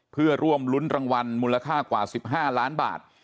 เพื่อร่วมรุ้นรางวัลมูลค่ากว่า๑๕ล้านบาท